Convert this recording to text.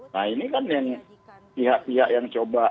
nah ini kan yang pihak pihak yang coba